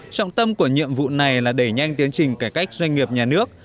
trọng tâm của nhiệm vụ này là đẩy nhanh tiến trình cải cách doanh nghiệp nhà nước